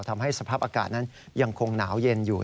ทำให้สภาพอากาศนั้นยังคงหนาวเย็นอยู่